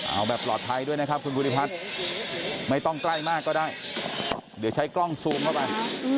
เอาแบบปลอดภัยด้วยนะครับคุณภูริพัฒน์ไม่ต้องใกล้มากก็ได้เดี๋ยวใช้กล้องซูมเข้าไป